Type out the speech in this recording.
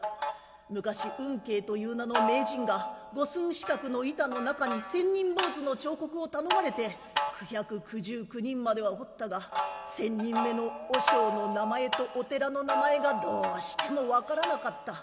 昔雲渓という名の名人が五寸四角の板の中に千人坊主の彫刻を頼まれて９９９人までは彫ったが１，０００人目の和尚の名前とお寺の名前がどうしても分からなかった。